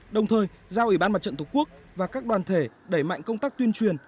đồng thời giao ủy ban mặt trận tổ quốc và các đoàn thể đẩy mạnh công tác tuyên truyền